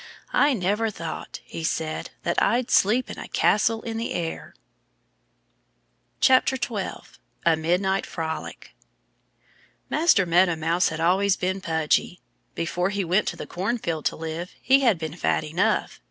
"I never thought," he said, "that I'd sleep in a castle in the air." 12 A Midnight Frolic MASTER MEADOW MOUSE had always been pudgy. Before he went to the cornfield to live he had been fat enough.